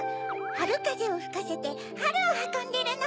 はるかぜをふかせてはるをはこんでるの！